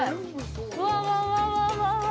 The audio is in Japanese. うわうわうわ。